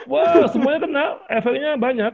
waduh semuanya kena efeknya banyak